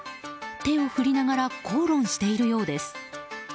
手を振りながら口論しているようです。